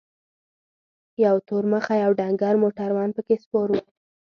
یو تور مخی او ډنګر موټروان پکې سپور و.